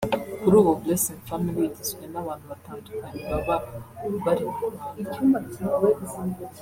Kuri ubu Blessing Family igizwe n’abantu batandukanye baba abari mu Rwanda